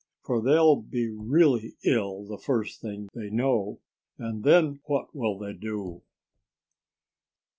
For they'll be really ill the first thing they know. And then what will they do?"